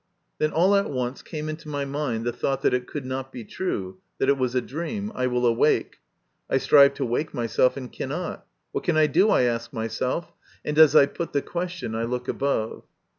Then all at once came into my mind the thought that it could not be true, that it was a dream ; I will awake. I strive to wake myself and cannot. "What can I do?" I ask myself, and as I put the question I look above.